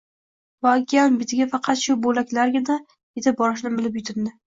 va okean betiga faqat shu bo‘laklargina yetib borishini bilib yutindi.